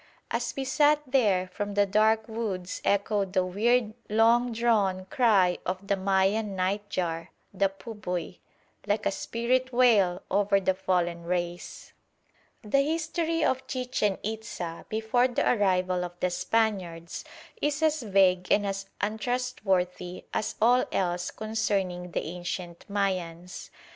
As we sat there, from the dark woods echoed the weird long drawn cry of the Mayan night jar the pubuy like a spirit wail over the fallen race. [Illustration: EL CASTILLO, CHICHEN ITZA.] The history of Chichen Itza before the arrival of the Spaniards is as vague and as untrustworthy as all else concerning the ancient Mayans.